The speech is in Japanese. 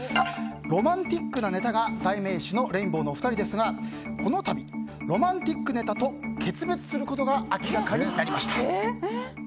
ロマンティックなネタが代名詞のレインボーのお二人ですがこの度、ロマンティックネタと決別することが明らかになりました。